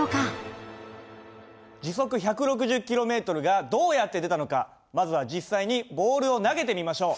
時速１６０ｋｍがどうやって出たのかまずは実際にボールを投げてみましょう。